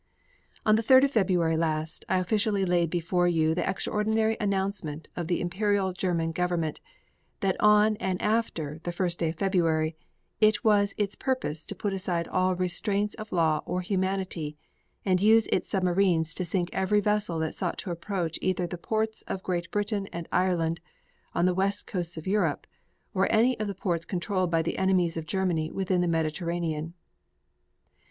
On the third of February last I officially laid before you the extraordinary announcement of the Imperial German Government that on and after the first day of February it was its purpose to put aside all restraints of law or of humanity and use its submarines to sink every vessel that sought to approach either the ports of Great Britain and Ireland on the western coasts of Europe or any of the ports controlled by the enemies of Germany within the Mediterranean.